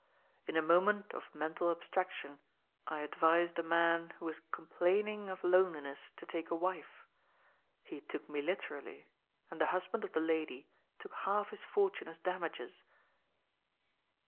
"In a moment of mental abstraction I advised a man who was complaining oi loneliness to take a wife. He took me literaUy, and the husband of the lady took half his fortune as damages."